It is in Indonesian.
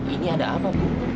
ini ada apa bu